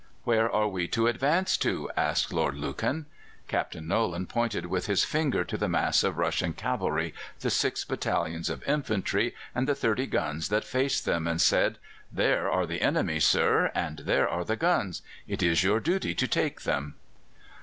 "Where are we to advance to?" asked Lord Lucan. Captain Nolan pointed with his finger to the mass of Russian cavalry, the six battalions of infantry, and the thirty guns that faced them, and said: "There are the enemy, sir, and there are the guns; it is your duty to take them."